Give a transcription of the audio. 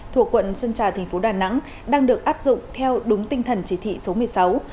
thuộc quận sơn trà thành phố đà nẵng đang được áp dụng theo đúng tinh thần chỉ thị số một mươi sáu